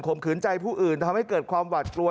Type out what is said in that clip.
ขืนใจผู้อื่นทำให้เกิดความหวัดกลัว